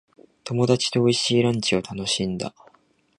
友達と美味しいランチを楽しんだ。